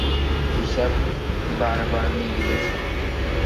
হিসাব বারবার মিলে গেছে।